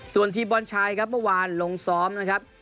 ส่วนทีมบอลชายครับเมื่อวานลงซ้อมนะครับ